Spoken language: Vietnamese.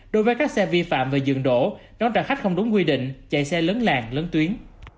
đối với các xe vi phạm về dường đổ đón trả khách không đúng quy định chạy xe lớn làng lớn tuyến